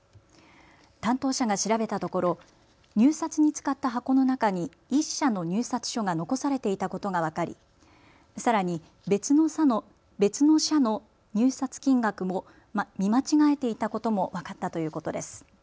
担当者が調べたところ入札に使った箱の中に１社の入札書が残されていたことが分かりさらに別の社の入札金額も見間違えていたことも分かったということです。